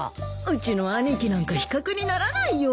うちの兄貴なんか比較にならないよ。